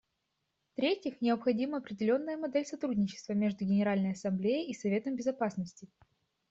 Втретьих, необходима определенная модель сотрудничества между Генеральной Ассамблеей и Советом Безопасности.